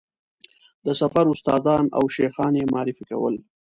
د سفر استادان او شیخان یې معرفي کول.